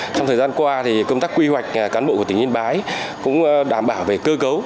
trong thời gian qua công tác quy hoạch cán bộ của tỉnh yên bái cũng đảm bảo về cơ cấu